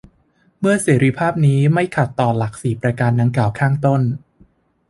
เมื่อเสรีภาพนี้ ไม่ขัดต่อหลักสี่ประการดังกล่าวข้างต้น